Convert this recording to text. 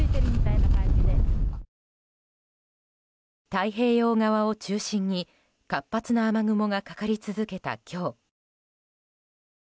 太平洋側を中心に活発な雨雲がかかり続けた今日。